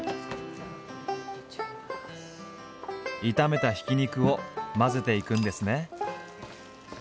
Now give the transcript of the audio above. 炒めたひき肉を混ぜていくんですね。